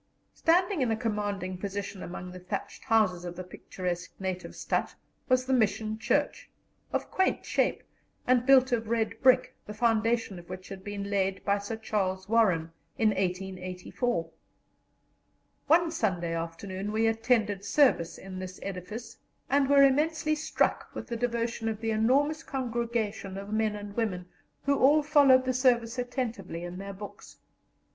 Standing in a commanding position among the thatched houses of the picturesque native stadt was the Mission Church, of quaint shape, and built of red brick, the foundation of which had been laid by Sir Charles Warren in 1884. One Sunday afternoon we attended service in this edifice, and were immensely struck with the devotion of the enormous congregation of men and women, who all followed the service attentively in their books.